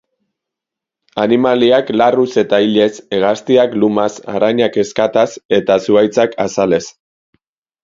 Animaliak larruz eta ilez, hegaztiak lumaz, arrainak ezkataz eta zuhaitzak azalez.